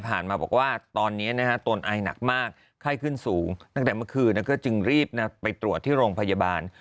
มาบอกว่าตอนนี้นะฮะตนอายหนักมากไข้ขึ้นสูงตั้งแต่เมื่อคืนแล้วก็จึงรีบไปตรวจที่โรงพยาบาล